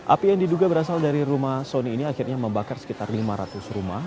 api yang diduga berasal dari rumah sony ini akhirnya membakar sekitar lima ratus rumah